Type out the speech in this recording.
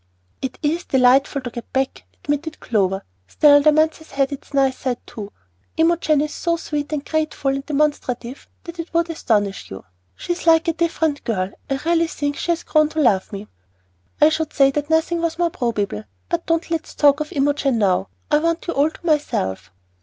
"It is delightful to get back," admitted Clover; "still the month has had its nice side, too. Imogen is so sweet and grateful and demonstrative that it would astonish you. She is like a different girl. I really think she has grown to love me." "I should say that nothing was more probable. But don't let's talk of Imogen now. I want you all to myself."